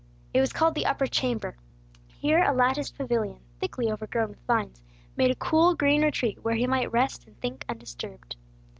It was called the "upper chamber." Here a latticed pavilion, thickly overgrown with vines, made a cool green retreat where he might rest and think undisturbed.